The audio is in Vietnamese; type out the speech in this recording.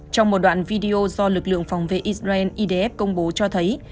trong một đoạn video do lực lượng phòng vệ israel idf công bố cho thấy